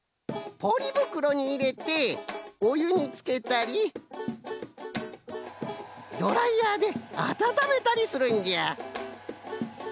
ポリぶくろにいれておゆにつけたりドライヤーであたためたりするんじゃ。